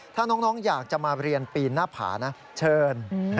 ถ้าน้องอยากจะมาเรียนปีนหน้าผานะเชิญ